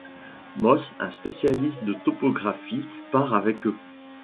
Moss, un spécialiste de topographie, part avec eux.